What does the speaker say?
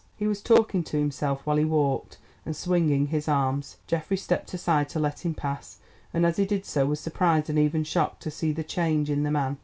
He was talking to himself while he walked, and swinging his arms. Geoffrey stepped aside to let him pass, and as he did so was surprised and even shocked to see the change in the man.